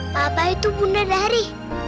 papa itu bunda dari